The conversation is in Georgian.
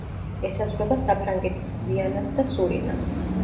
ესაზღვრება საფრანგეთის გვიანას და სურინამს.